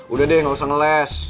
udah deh gak usah ngeles